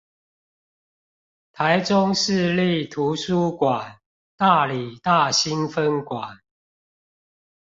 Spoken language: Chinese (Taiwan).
臺中市立圖書館大里大新分館